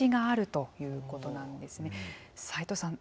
齊藤さん